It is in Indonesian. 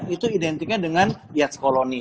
itu identiknya dengan yates colony